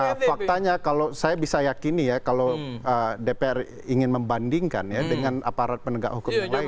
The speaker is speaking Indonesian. nah faktanya kalau saya bisa yakini ya kalau dpr ingin membandingkan ya dengan aparat penegak hukum yang lain